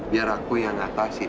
biar aku yang atasi